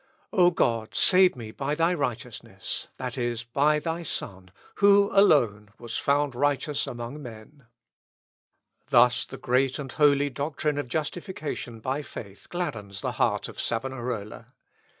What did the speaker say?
O God, save me by thy righteousness, that is, by thy Son, who alone was found righteous among men." Thus the great and holy doctrine of justification by faith gladdens the heart of Savonarola.